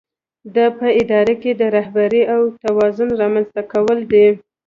دا په اداره کې د رهبرۍ او توازن رامنځته کول دي.